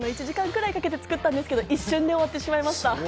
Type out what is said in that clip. １時間くらいかけて作ったんですけど、一瞬で終わってしまいました。